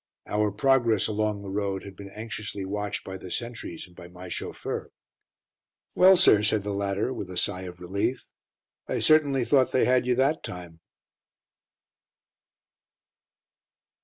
Our progress along the road had been anxiously watched by the sentries and by my chauffeur. "Well, sir," said the latter, with a sigh of relief, "I certainly thought they had you that time."